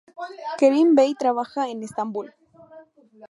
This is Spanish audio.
Kerim Bey trabaja en Estambul.